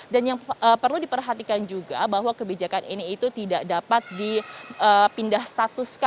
dan yang perlu diperhatikan juga bahwa kebijakan ini itu tidak dapat dipindah status